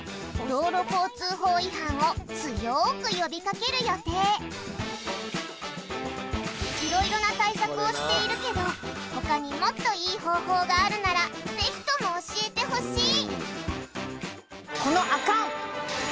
「道路交通法違反」をつよく呼びかける予定いろいろな対策をしているけど他にもっといい方法があるならぜひとも教えてほしい！